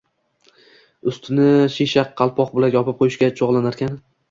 ustini shisha qalpoq bilan yopib qo‘yishga chog‘lanarkan